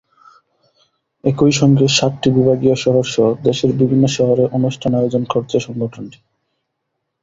একই সঙ্গে সাতটি বিভাগীয় শহরসহ দেশের বিভিন্ন শহরে অনুষ্ঠান আয়োজন করেছে সংগঠনটি।